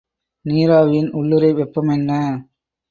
நீராவியின் உள்ளுறை வெப்பம் என்ன?